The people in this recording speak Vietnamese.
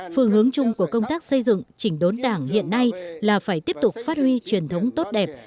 phương hướng chung của công tác xây dựng chỉnh đốn đảng hiện nay là phải tiếp tục phát huy truyền thống tốt đẹp